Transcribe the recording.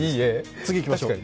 次、いきましょう。